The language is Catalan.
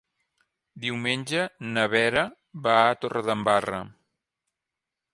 Diumenge na Vera va a Torredembarra.